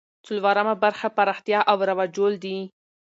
څلورمه برخه پراختیا او رواجول دي.